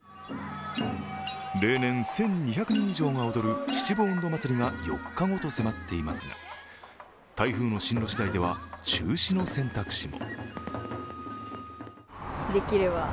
例年１２００人以上が踊る秩父音頭まつりが４日後と迫っていますが、台風の進路しだいでは中止の選択肢も。